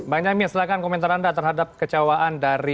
bang jamin silahkan komentar anda terhadap kecewaan dari